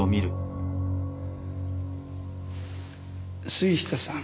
杉下さん。